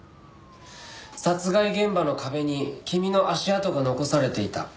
殺害現場の壁に君の足跡が残されていた。